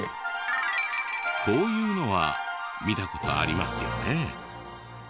こういうのは見た事ありますよね。